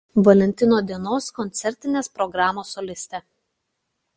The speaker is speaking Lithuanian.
Valentino dienos koncertinės programos solistė.